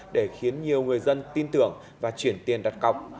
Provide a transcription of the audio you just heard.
để khiến nhiều người dân tin tưởng và chuyển tiền đặt cọc